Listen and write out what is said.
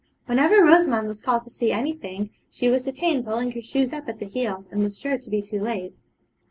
Whenever Rosamond was called to see anything, she was detained pulling her shoes up at the heels, and was sure to be too late.